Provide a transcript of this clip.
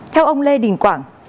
theo ông lê đình quảng